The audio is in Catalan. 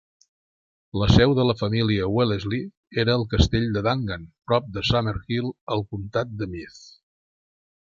La seu de la família Wellesley era el castell de Dangan, prop de Summerhill, al comtat de Meath.